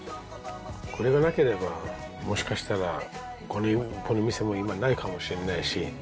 これがなければ、もしかしたらこの店も今、ないかもしれないし。